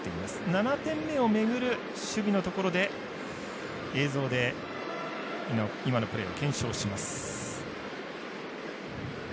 ７点目をめぐる守備のところで映像で今のプレーを検証します。